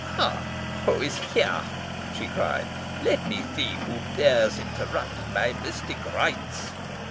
"Ha! who is here?" she cried. "Let me see who dares interrupt my mystic rites."